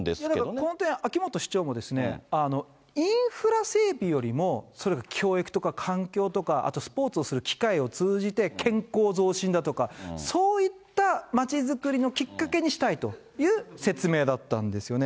本当に秋元市長も、インフラ整備よりも、それよりも教育とか環境とかあとスポーツをする機会を通じて、健康増進だとか、そういった街づくりのきっかけにしたいという説明だったんですよね。